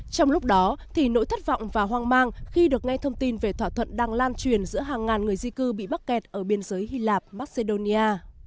trong lúc đó thì nỗi thất vọng và hoang mang khi được nghe thông tin về thỏa thuận đang lan truyền giữa hàng ngàn người di cư bị mắc kẹt ở biên giới hy lạp macedonia